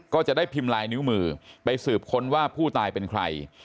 ก็จะได้พิมพ์ลายนิ้วมือไปสืบค้นว่าผู้ตายเป็นใคร